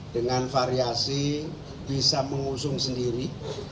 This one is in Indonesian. dengan variasi bisa mengusung sendiri